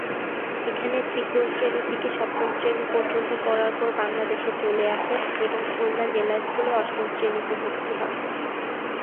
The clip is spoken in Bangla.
এখানে তৃতীয় শ্রেণি থেকে সপ্তম শ্রেণি পর্যন্ত পড়ার পর বাংলাদেশে চলে আসেন এবং খুলনা জেলা স্কুলে অষ্টম শ্রেণীতে ভর্তি হন।